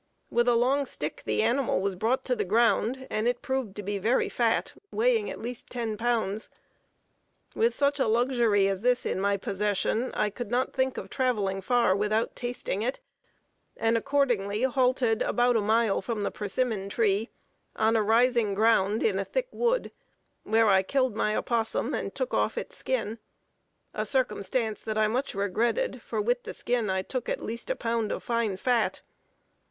With a long stick the animal was brought to the ground, and it proved to be very fat, weighing at least ten pounds. With such a luxury as this in my possession, I could not think of traveling far without tasting it, and accordingly halted about a mile from the persimmon tree, on a rising ground in a thick wood, where I killed my opossum, and took off its skin, a circumstance that I much regretted, for with the skin I took at least a pound of fine fat.